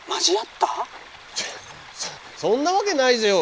そそんなわけないぜよ！